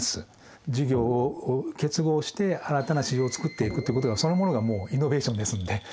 事業を結合して新たな市場を作っていくということがそのものがもうイノベーションですので。